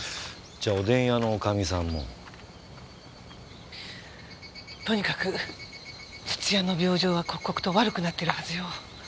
じゃおでん屋のおかみさんも。とにかく土屋の病状は刻々と悪くなってるはずよ。